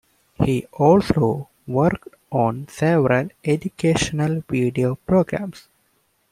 He also worked on several educational video programmes.